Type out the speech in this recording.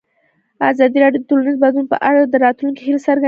ازادي راډیو د ټولنیز بدلون په اړه د راتلونکي هیلې څرګندې کړې.